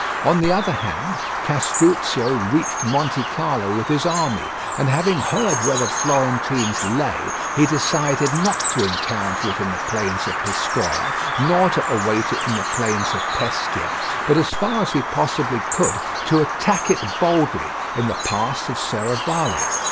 On the other hand, Castruccio reached Montecarlo with his army; and having heard where the Florentines' lay, he decided not to encounter it in the plains of Pistoia, nor to await it in the plains of Pescia, but, as far as he possibly could, to attack it boldly in the Pass of Serravalle.